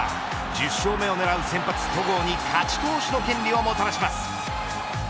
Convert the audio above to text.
１０勝目を狙う先発戸郷に勝ち投手の権利をもたらします。